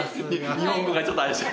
日本語がちょっと怪しい。